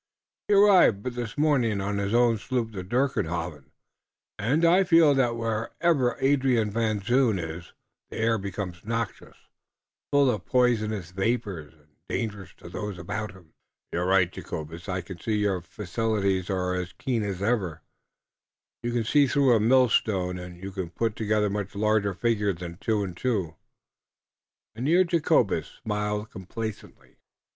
He arrived but this morning on his own sloop, the Dirkhoeven, und I feel that wherever Adrian Van Zoon iss the air becomes noxious, full of poisonous vapors und dangerous to those about him." "You're right, Jacobus. I see that your faculties are as keen as ever. You can see through a mill stone, and you can put together much larger figures than two and two." Mynheer Jacobus smiled complacently.